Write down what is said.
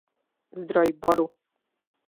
Zdroj boru.